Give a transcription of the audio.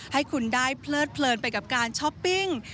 ให้คุณได้เพลิดเพลินไปกับการช้อปปิ้ง